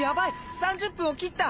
３０分を切った！